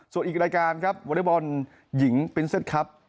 ส่วนอีกรายการครับวอเล็กบอลหญิงปินเซ็ตครับ